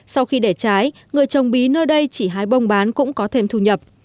sau khi để trái người trồng bí nơi đây chỉ hái bông bán cũng có thêm thu nhập